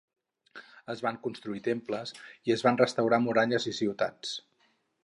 Es van construir temples i es van restaurar muralles i ciutats.